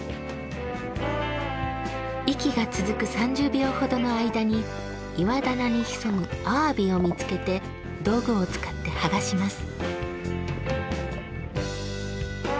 息が続く３０秒ほどの間に岩棚に潜むあわびを見つけて道具を使って剥がします。